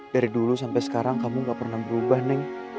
dari dulu sampai sekarang kamu gak pernah berubah nih